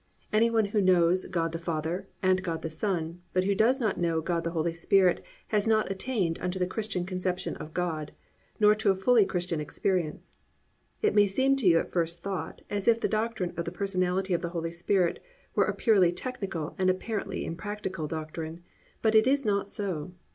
Any one who knows God the Father and God the Son, but who does not know God the Holy Spirit has not attained unto the Christian conception of God, nor to a fully Christian experience. It may seem to you at first thought as if the doctrine of the Personality of the Holy Spirit were a purely technical and apparently impractical doctrine, but it is not so.